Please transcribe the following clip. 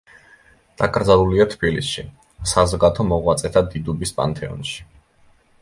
დაკრძალულია თბილისში, საზოგადო მოღვაწეთა დიდუბის პანთეონში.